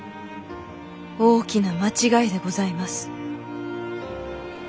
大きな間違いでございます」。